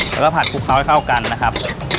แล้วก็ผัดคลุกเขาให้เข้ากันนะครับ